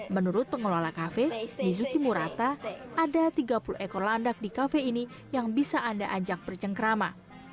menurut pengelola kafe nizuki murata ada tiga puluh ekor landak di kafe ini yang bisa anda ajak bercengkrama